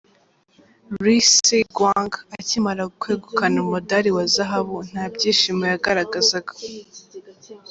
Ri Se-Gwang akimara kwegukana umudali wa zahabu nta byishimo yagaragazaga .